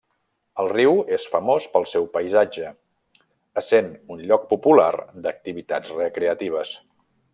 El riu és famós pel seu paisatge, essent un lloc popular d'activitats recreatives.